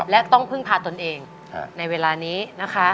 และต้องพึ่งพาตนเองในเวลานี้นะคะ